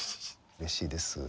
うれしいです。